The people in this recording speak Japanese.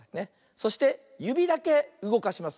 そしてゆびだけうごかします。